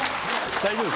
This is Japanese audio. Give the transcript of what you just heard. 大丈夫？